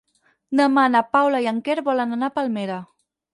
Demà na Paula i en Quer volen anar a Palmera.